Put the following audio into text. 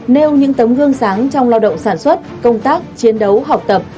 nêu những tấm gương sáng trong lao động sản xuất công tác chiến đấu học tập